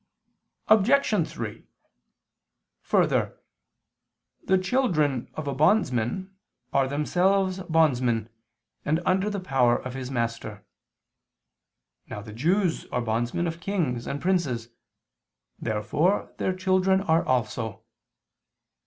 Obj. 3: Further, the children of a bondsman are themselves bondsmen, and under the power of his master. Now the Jews are bondsmen of kings and princes: therefore their children are also.